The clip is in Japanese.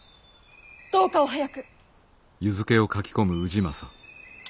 どうかお早く！